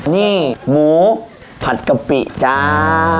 นี่หมูผัดกะปิจ้า